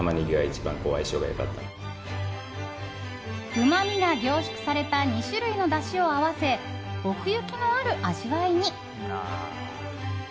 うまみが凝縮された２種類のだしを合わせ奥行きのある味わいに。